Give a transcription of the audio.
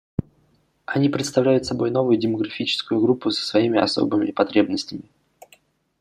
Они представляют собой новую демографическую группу со своими особыми потребностями.